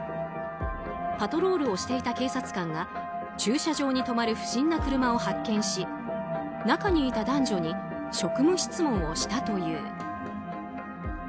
パトロールをしていた警察官が駐車場に止まる不審な車を発見し中にいた男女に職務質問をしたという。